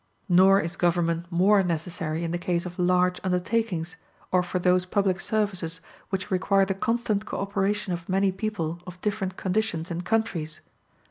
Nor is government more necessary in the case of large undertakings, or for those public services which require the constant co operation of many people of different conditions and countries.